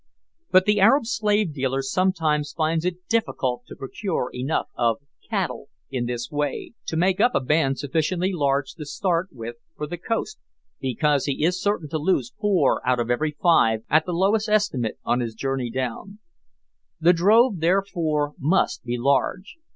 But the Arab slave dealer sometimes finds it difficult to procure enough of "cattle" in this way to make up a band sufficiently large to start with for the coast because he is certain to lose four out of every five, at the lowest estimate, on his journey down. The drove, therefore, must be large.